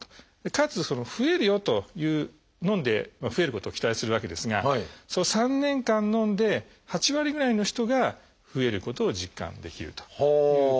かつ増えるよというのんで増えることを期待するわけですが３年間のんで８割ぐらいの人が増えることを実感できるということなんですね。